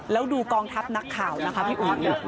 แล้วดูกองทัพนักข่าวนะคะพี่อุ๋ย